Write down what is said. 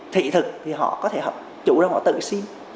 thị thực thì họ có thể hợp chủ ra mà tự xin